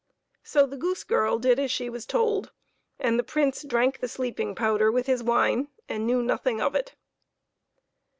So the goose girl did as she was told, and the Prince drank the sleeping powder with his wine, and knew nothing of it.